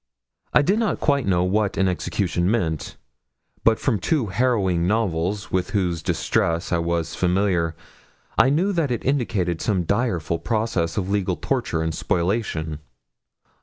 I did not quite know what an execution meant; but from two harrowing novels, with whose distresses I was familiar, I knew that it indicated some direful process of legal torture and spoliation.